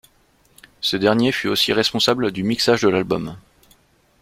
Ce dernier fut aussi responsable du mixage de l'album.